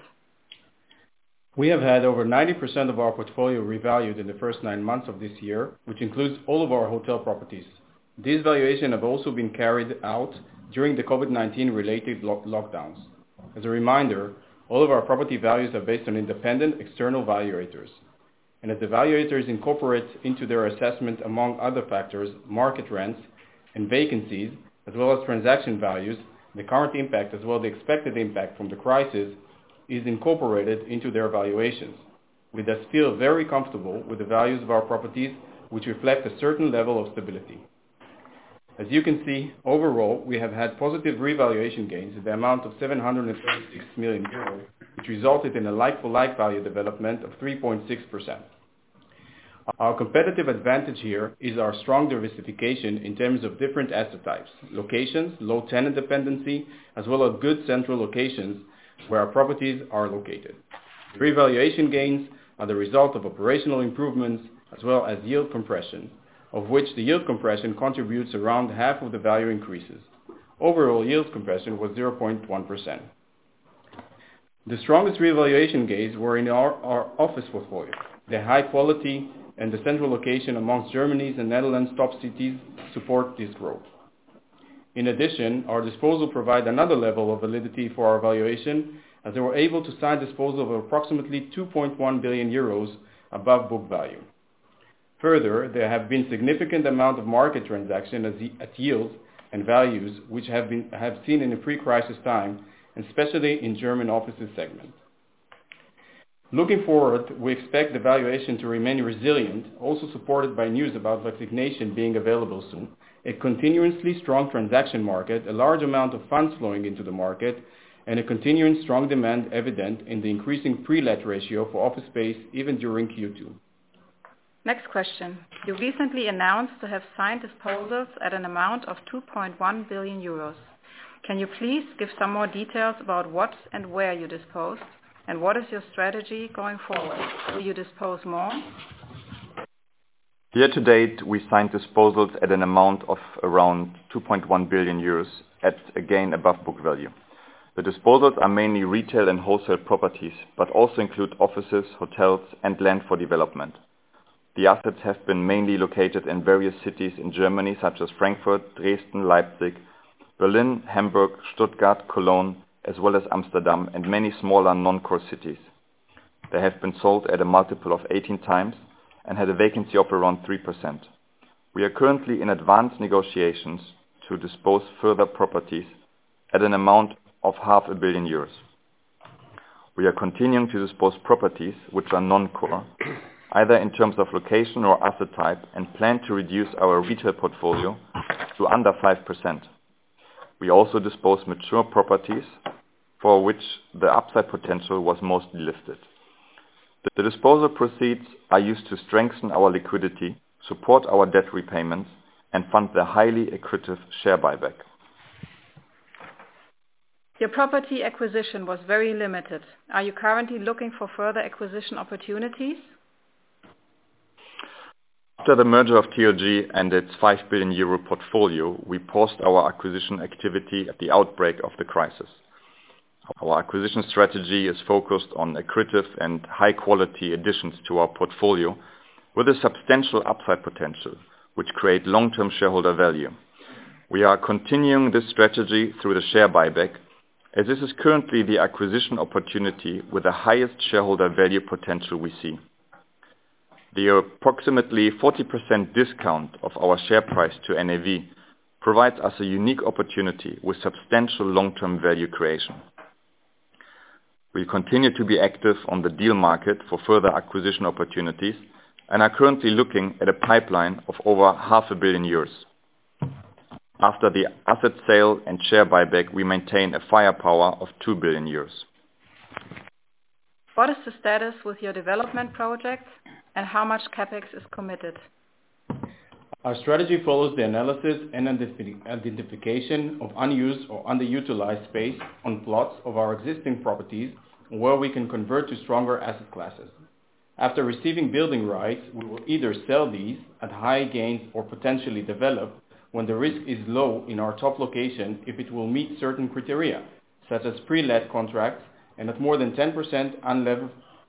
We have had over 90% of our portfolio revalued in the first nine months of this year, which includes all of our hotel properties. These valuations have also been carried out during the COVID-19 related lockdowns. As a reminder, all of our property values are based on independent external valuators, and as the valuators incorporate into their assessment, among other factors, market rents and vacancies, as well as transaction values, the current impact, as well as the expected impact from the crisis, is incorporated into their valuations. We are still very comfortable with the values of our properties, which reflect a certain level of stability. As you can see, overall, we have had positive revaluation gains in the amount of 736 million euros, which resulted in a like-for-like value development of 3.6%. Our competitive advantage here is our strong diversification in terms of different asset types, locations, low tenant dependency, as well as good central locations where our properties are located. Revaluation gains are the result of operational improvements, as well as yield compression, of which the yield compression contributes around half of the value increases. Overall, yield compression was 0.1%. The strongest revaluation gains were in our office portfolio. The high quality and the central location amongst Germany's and Netherlands' top cities support this growth. In addition, our disposal provide another level of validity for our valuation, as we were able to sign disposal of approximately 2.1 billion euros above book value. Further, there have been significant amount of market transaction at yields and values, which have seen in the pre-crisis time, especially in German offices segment. Looking forward, we expect the valuation to remain resilient, also supported by news about vaccination being available soon, a continuously strong transaction market, a large amount of funds flowing into the market, and a continuing strong demand evident in the increasing pre-let ratio for office space, even during Q2. Next question: You recently announced to have signed disposals at an amount of 2.1 billion euros. Can you please give some more details about what and where you disposed, and what is your strategy going forward? Will you dispose more? Year to date, we signed disposals at an amount of around 2.1 billion euros, at again, above book value. The disposals are mainly retail and wholesale properties, but also include offices, hotels, and land for development. The assets have been mainly located in various cities in Germany, such as Frankfurt, Dresden, Leipzig, Berlin, Hamburg, Stuttgart, Cologne, as well as Amsterdam, and many smaller non-core cities. They have been sold at a multiple of 18x and had a vacancy of around 3%. We are currently in advanced negotiations to dispose further properties at an amount of 500 million euros. We are continuing to dispose properties which are non-core, either in terms of location or asset type, and plan to reduce our retail portfolio to under 5%. We also dispose mature properties for which the upside potential was mostly lifted. The disposal proceeds are used to strengthen our liquidity, support our debt repayments, and fund the highly accretive share buyback. Your property acquisition was very limited. Are you currently looking for further acquisition opportunities? After the merger of TLG and its 5 billion euro portfolio, we paused our acquisition activity at the outbreak of the crisis. Our acquisition strategy is focused on accretive and high quality additions to our portfolio, with a substantial upside potential, which create long-term shareholder value. We are continuing this strategy through the share buyback, as this is currently the acquisition opportunity with the highest shareholder value potential we see. The approximately 40% discount of our share price to NAV, provides us a unique opportunity with substantial long-term value creation. We continue to be active on the deal market for further acquisition opportunities and are currently looking at a pipeline of over 500 million euros. After the asset sale and share buyback, we maintain a firepower of 2 billion euros. What is the status with your development projects, and how much CapEx is committed? Our strategy follows the analysis and identification of unused or underutilized space on plots of our existing properties, where we can convert to stronger asset classes. After receiving building rights, we will either sell these at high gains or potentially develop when the risk is low in our top location, if it will meet certain criteria, such as pre-let contracts and at more than 10%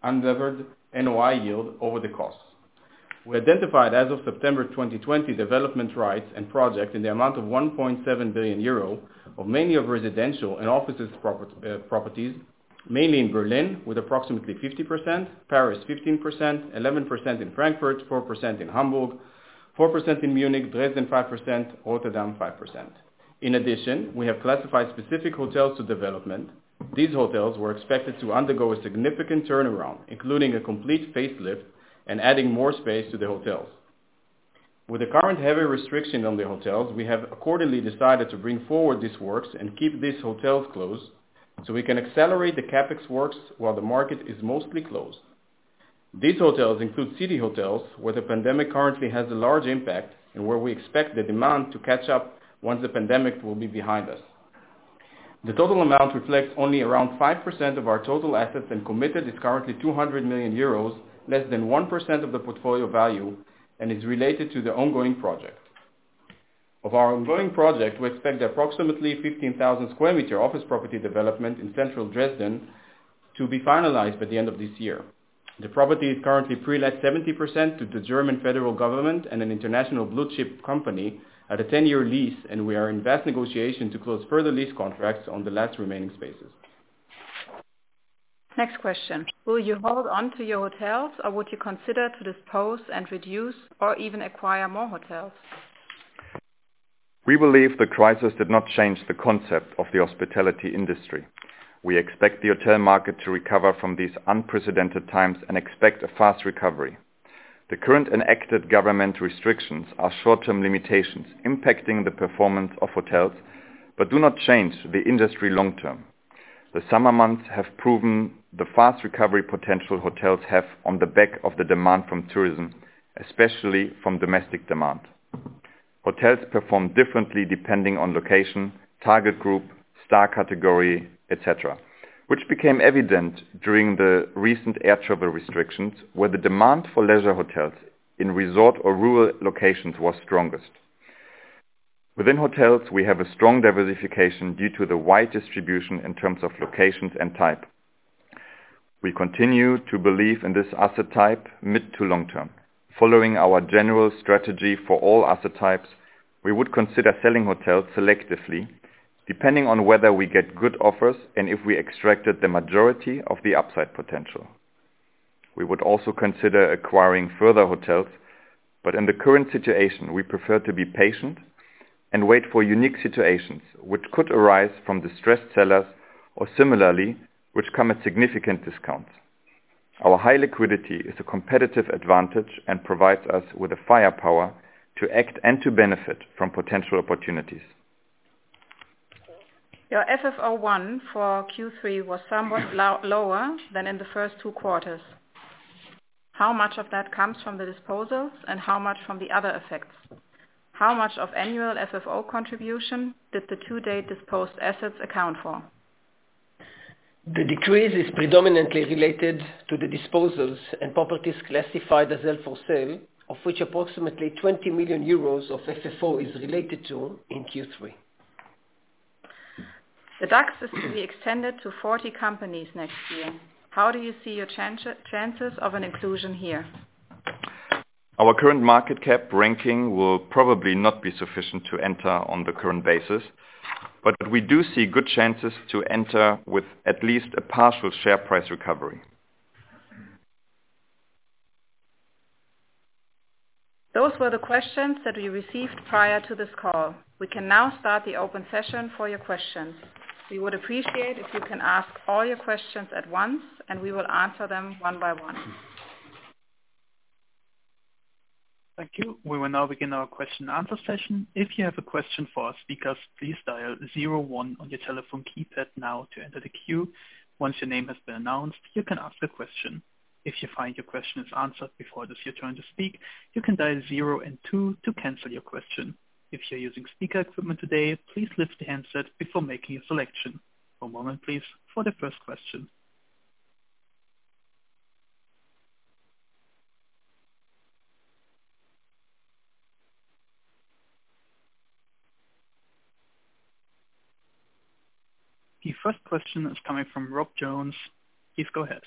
unlevered NOI yield over the costs. We identified as of September 2020, development rights and projects in the amount of 1.7 billion euro of mainly residential and office properties, mainly in Berlin, with approximately 50%, Paris 15%, 11% in Frankfurt, 4% in Hamburg, 4% in Munich, Dresden 5%, Rotterdam 5%. In addition, we have classified specific hotels to development. These hotels were expected to undergo a significant turnaround, including a complete facelift and adding more space to the hotels. With the current heavy restriction on the hotels, we have accordingly decided to bring forward these works and keep these hotels closed, so we can accelerate the CapEx works while the market is mostly closed. These hotels include city hotels, where the pandemic currently has a large impact, and where we expect the demand to catch up once the pandemic will be behind us. The total amount reflects only around 5% of our total assets, and committed is currently 200 million euros, less than 1% of the portfolio value, and is related to the ongoing project. Of our ongoing project, we expect approximately 15,000 square meter office property development in central Dresden to be finalized by the end of this year. The property is currently pre-let 70% to the German federal government and an international blue chip company at a 10-year lease, and we are in advanced negotiation to close further lease contracts on the last remaining spaces. Next question. Will you hold on to your hotels, or would you consider to dispose and reduce, or even acquire more hotels? We believe the crisis did not change the concept of the hospitality industry. We expect the hotel market to recover from these unprecedented times and expect a fast recovery. The current enacted government restrictions are short-term limitations impacting the performance of hotels, but do not change the industry long term. The summer months have proven the fast recovery potential hotels have on the back of the demand from tourism, especially from domestic demand. Hotels perform differently depending on location, target group, star category, et cetera, which became evident during the recent air travel restrictions, where the demand for leisure hotels in resort or rural locations was strongest. Within hotels, we have a strong diversification due to the wide distribution in terms of locations and type. We continue to believe in this asset type mid to long term. Following our general strategy for all asset types, we would consider selling hotels selectively, depending on whether we get good offers and if we extracted the majority of the upside potential. We would also consider acquiring further hotels, but in the current situation, we prefer to be patient and wait for unique situations which could arise from distressed sellers, or similarly, which come at significant discounts. Our high liquidity is a competitive advantage and provides us with the firepower to act and to benefit from potential opportunities. Your FFO 1 for Q3 was somewhat low, lower than in the first two quarters. How much of that comes from the disposals, and how much from the other effects? How much of annual FFO contribution did the today disposed assets account for? The decrease is predominantly related to the disposals and properties classified as held for sale, of which approximately 20 million euros of FFO is related to in Q3. The DAX is to be extended to 40 companies next year. How do you see your chances of an inclusion here? Our current market cap ranking will probably not be sufficient to enter on the current basis, but we do see good chances to enter with at least a partial share price recovery. Those were the questions that we received prior to this call. We can now start the open session for your questions. We would appreciate if you can ask all your questions at once, and we will answer them one by one. Thank you. We will now begin our question and answer session. If you have a question for our speakers, please dial zero one on your telephone keypad now to enter the queue. Once your name has been announced, you can ask your question. If you find your question is answered before it is your turn to speak, you can dial zero and two to cancel your question. If you're using speaker equipment today, please lift the handset before making a selection. One moment, please, for the first question. The first question is coming from Rob Jones. Please go ahead.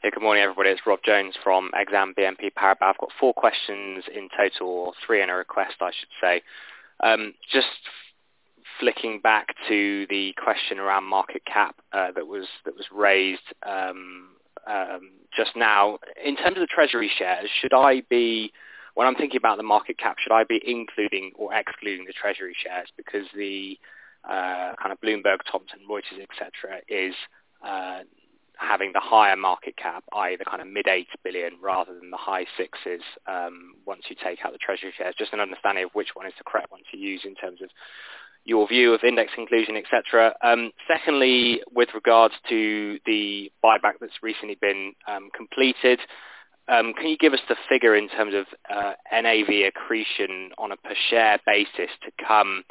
Hey, good morning, everybody. It's Rob Jones from Exane BNP Paribas. I've got four questions in total, or three and a request, I should say. Just flicking back to the question around market cap that was raised just now. In terms of the treasury shares, should I be... When I'm thinking about the market cap, should I be including or excluding the treasury shares? Because the kind of Bloomberg, Thomson Reuters, et cetera, is having the higher market cap, i.e., the kind of mid-8 billion EUR rather than the high 6s EUR once you take out the treasury shares. Just an understanding of which one is the correct one to use in terms of your view of index inclusion, et cetera. Secondly, with regards to the buyback that's recently been completed, can you give us the figure in terms of NAV accretion on a per share basis to come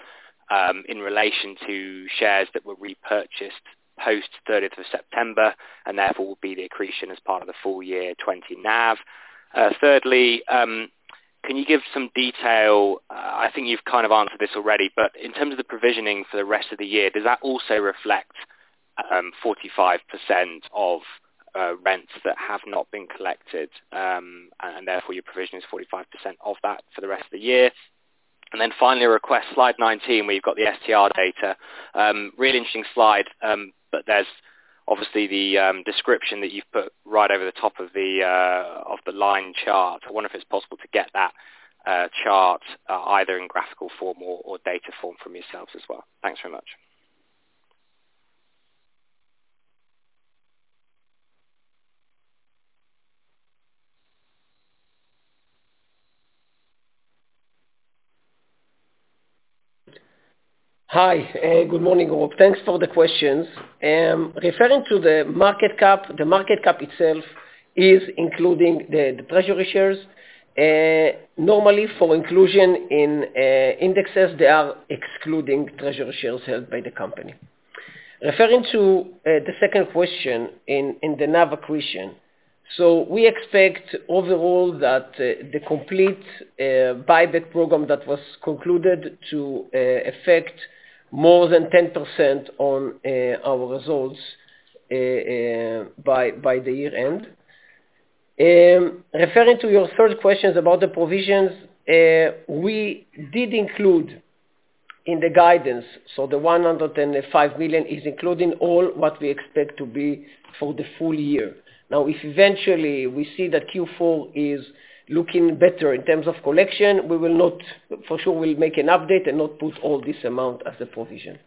in relation to shares that were repurchased post thirtieth of September, and therefore will be the accretion as part of the full year 2020 NAV? Thirdly, can you give some detail? I think you've kind of answered this already, but in terms of the provisioning for the rest of the year, does that also reflect 45% of rents that have not been collected, and therefore your provision is 45% of that for the rest of the year? And then finally, request slide 19, where you've got the STR data. Really interesting slide, but there's obviously the description that you've put right over the top of the line chart. I wonder if it's possible to get that chart either in graphical form or data form from yourselves as well? Thanks very much. Hi, good morning, all. Thanks for the questions. Referring to the market cap, the market cap itself is including the treasury shares, normally for inclusion in indexes, they are excluding treasury shares held by the company. Referring to the second question in the NAV accretion. So we expect overall that the complete buyback program that was concluded to affect more than 10% on our results by the year end. Referring to your third questions about the provisions, we did include in the guidance, so the 105 million is including all what we expect to be for the full year. Now, if eventually we see that Q4 is looking better in terms of collection, we will not... For sure, we'll make an update and not put all this amount as a provision.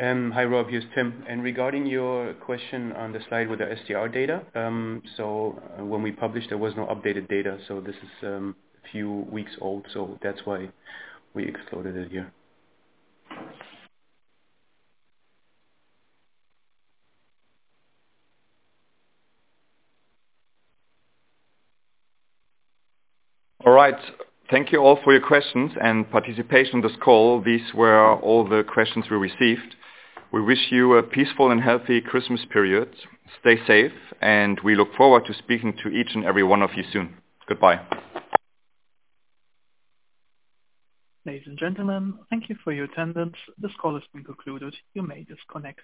Hi, Rob, here's Tim. Regarding your question on the slide with the STR data, so when we published, there was no updated data, so this is a few weeks old, so that's why we excluded it here. All right. Thank you all for your questions and participation in this call. These were all the questions we received. We wish you a peaceful and healthy Christmas period. Stay safe, and we look forward to speaking to each and every one of you soon. Goodbye. Ladies and gentlemen, thank you for your attendance. This call has been concluded. You may disconnect.